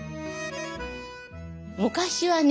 昔はね